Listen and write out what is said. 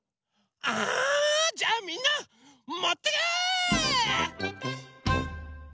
あじゃあみんなもってけ！